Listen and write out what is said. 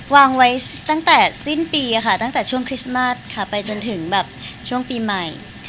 วางไว้ตั้งแต่สิ้นปีค่ะตั้งแต่ช่วงคริสต์มัสค่ะไปจนถึงแบบช่วงปีใหม่